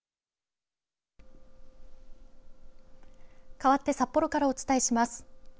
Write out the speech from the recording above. かわって札幌からお伝えします。